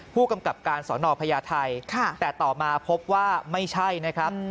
ผู้กำกับการสอนอพญาไทยแต่ต่อมาพบว่าไม่ใช่นะครับ